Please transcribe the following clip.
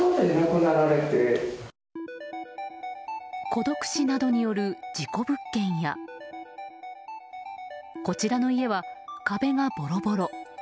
孤独死などによる事故物件やこちらの家は壁がボロボロ。